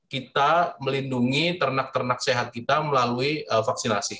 kita melindungi ternak ternak sehat kita melalui vaksinasi